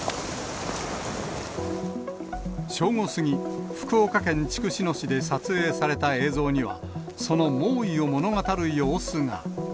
正午過ぎ、福岡県筑紫野市で撮影された映像には、その猛威を物語る様子が。